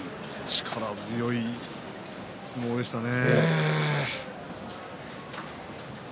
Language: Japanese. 力強い相撲でしたね。